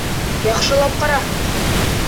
Яҡшылап ҡара.